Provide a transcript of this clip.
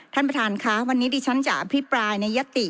ท่านประธานค่ะวันนี้ดิฉันจะอภิปรายในยติ